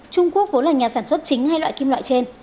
trung quốc vốn là nhà sản xuất khẩu đối với đảng